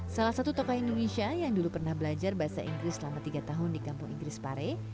salah satu tokoh indonesia yang dulu pernah belajar bahasa inggris selama tiga tahun di kampung inggris pare